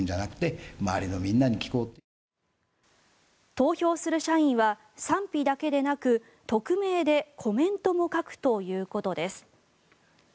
投票する社員は賛否だけではなく匿名でコメントも書くということです。